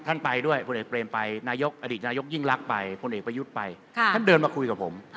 ไปด้วยพลเอกเบรมไปนายกอดีตนายกยิ่งรักไปพลเอกประยุทธ์ไปท่านเดินมาคุยกับผม